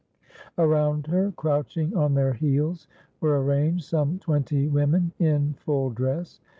Around her, crouching on their heels, were arranged some twenty women in full dress.